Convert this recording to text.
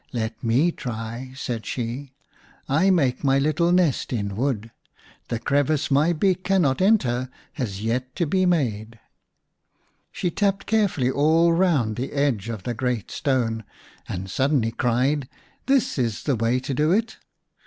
" Let me try," said she. " I make my little nest in wood ; the crevice my beak cannot enter has yet to be made." She tapped carefully all round the edge of the great stone, and suddenly cried :" This is the way to do it."